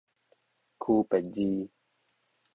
區別字